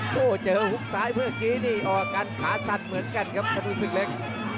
โอ้โหเจอหุบซ้ายเมื่อกี้นี่ออกกันขาสั่นเหมือนกันครับกระดูกศึกเล็ก